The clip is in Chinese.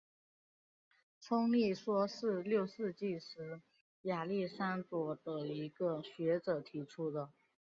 冲力说是六世纪时亚历山卓的一个学者提出的。